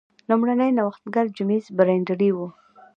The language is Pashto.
لومړنی نوښتګر جېمز برینډلي و.